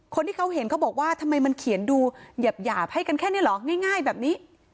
คนที่เขาเห็นเขาบอกว่าทำไมมันเขียนดูหยาบให้กันแค่นี้เหรอง่ายแบบนี้